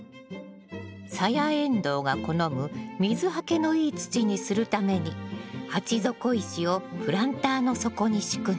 サヤエンドウが好む水はけのいい土にするために鉢底石をプランターの底に敷くの。